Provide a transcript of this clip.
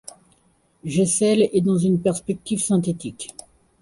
Gesell est dans une perspective synthétique.